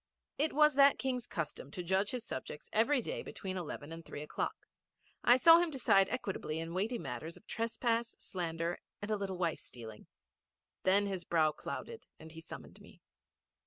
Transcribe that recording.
It was that King's custom to judge his subjects every day between eleven and three o'clock. I saw him decide equitably in weighty matters of trespass, slander, and a little wife stealing. Then his brow clouded and he summoned me.